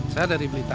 saya dari blitar